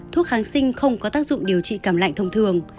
thuốc kháng sinh không có tác dụng điều trị cảm lạnh thông thường